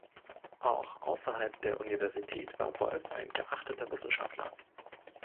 Auch außerhalb der Universität war Wolf ein geachteter Wissenschaftler.